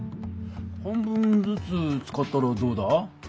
半分ずつ使ったらどうだ？